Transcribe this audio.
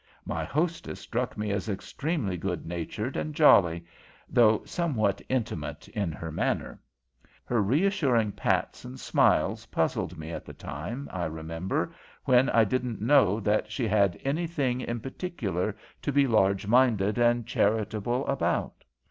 My hostess struck me as extremely good natured and jolly, though somewhat intimate in her manner. Her reassuring pats and smiles puzzled me at the time, I remember, when I didn't know that she had anything in particular to be large minded and charitable about.